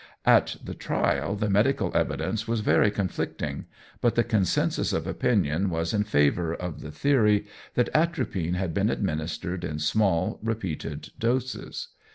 At the trial, the medical evidence was very conflicting; but the concensus of opinion was in favour of the theory that atropine had been administered in small, repeated doses.